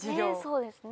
そうですね。